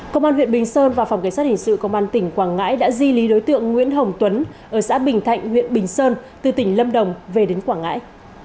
công an huyện bình sơn và phòng kế sát hình sự công an tỉnh quảng ngãi đã di lý đối tượng nguyễn hồng tuấn ở xã bình thạnh huyện bình sơn từ tỉnh lâm đồng về đến quảng ngãi